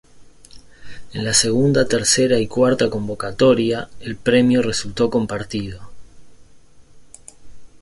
En la segunda, tercera y cuarta convocatoria el Premio resultó Compartido.